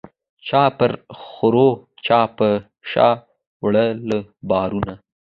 چا پر خرو چا به په شا وړله بارونه